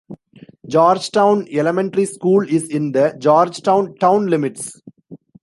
Georgetown Elementary School is in the Georgetown town limits.